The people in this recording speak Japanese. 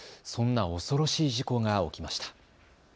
そんな恐ろしい事故が起きました。